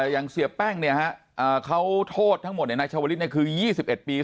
อย่างเสียแป้งเนี่ยฮะเขาโทษทั้งหมดนายชาวลิศคือ๒๑ปี